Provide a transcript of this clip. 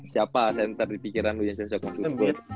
siapa center di pikiran lu yang serius serius